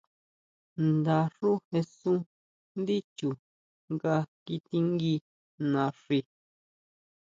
Nda xú jesun ndí chu nga kitingui naxi.